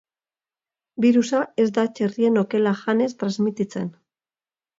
Birusa ez da txerrien okela janez transmititzen.